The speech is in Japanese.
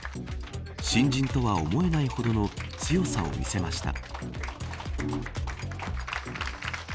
新人とは思えないほどの強さを見せました。